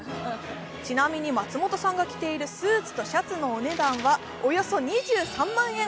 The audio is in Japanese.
ちなみに松本さんが着ているスーツとシャツのお値段はおよそ２３万円。